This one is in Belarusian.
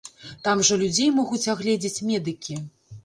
Там жа людзей могуць агледзець медыкі.